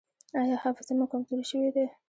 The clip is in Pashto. ایا حافظه مو کمزورې شوې ده؟